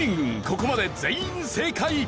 ここまで全員正解！